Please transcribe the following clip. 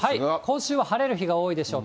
今週は晴れる日が多いでしょう。